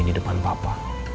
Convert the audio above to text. di depan papa